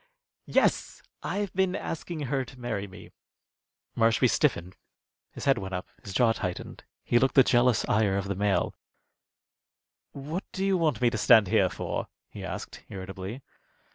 Yes, I've been asking her to marry me." Marshby stiffened. His head went up, his jaw tightened. He looked the jealous ire of the male. "What do you want me to stand here for?" he asked, irritably.